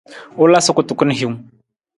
U la sa kutukun hiwung.